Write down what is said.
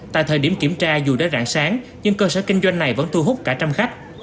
tại thời điểm kiểm tra dù đã rạng sáng nhưng cơ sở kinh doanh này vẫn thu hút cả trăm khách